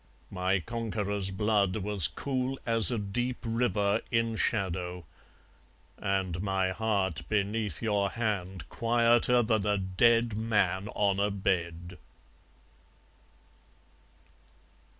... My conqueror's blood was cool as a deep river In shadow; and my heart beneath your hand Quieter than a dead man on a bed.